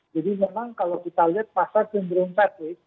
jadi memang kalau kita lihat pasar cenderung patik